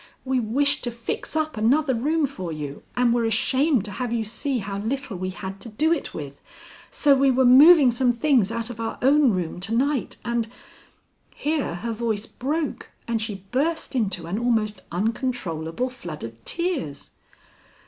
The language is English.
We wished to fix up another room for you, and were ashamed to have you see how little we had to do it with, so we were moving some things out of our own room to night, and " Here her voice broke, and she burst into an almost uncontrollable flood of tears.